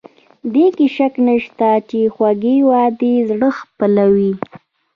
دې کې شک نشته چې خوږې وعدې زړه خپلوي.